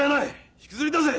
引きずり出せ。